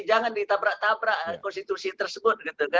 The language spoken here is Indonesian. jangan ditabrak tabrak konstitusi tersebut